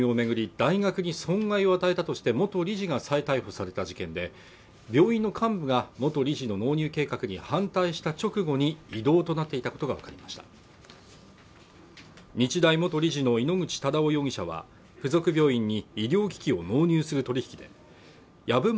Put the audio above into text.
大学に損害を与えたとして元理事が再逮捕された事件で病院の幹部が元理事の納入計画に反対した直後に異動となっていたことが分かりました日大元理事の井ノ口忠男容疑者は附属病院に医療機器を納入する取引で籔本